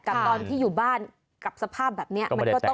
กับตอนที่อยู่บ้านกับสภาพแบบนี้